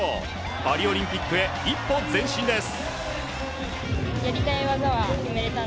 パリオリンピックへ一歩前進です。